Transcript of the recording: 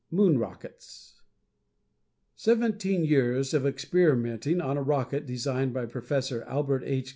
MOON ROCKETS Seventeen years of experimenting on a rocket designed by Prof. Albert H.